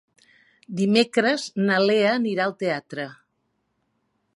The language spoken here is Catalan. Dimecres na Lea anirà al teatre.